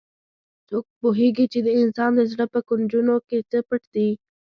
څوک پوهیږي چې د انسان د زړه په کونجونو کې څه پټ دي